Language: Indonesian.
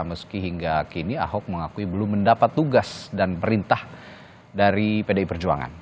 meski hingga kini ahok mengakui belum mendapat tugas dan perintah dari pdi perjuangan